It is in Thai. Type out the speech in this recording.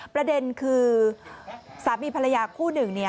ประเด็นคือสามีภรรยาคู่หนึ่ง